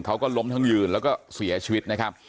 เขาก็ล้มทั้งยืนแล้วก็เสียชีวิตนะครับ